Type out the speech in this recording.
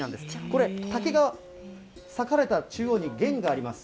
これ、竹が裂かれた中央に弦があります。